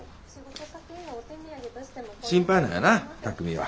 心配なんよな巧海は。